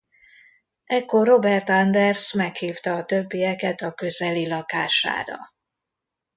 Ekkor Robert Anders meghívta a többieket a közeli lakására.